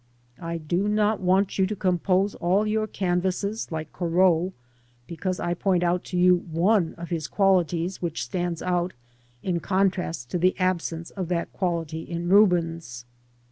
I (fo'not want you to compose all your canvases like Corot because I point out to you one of his qualities, which stands out in contrast to the absence of that quality in Rubens.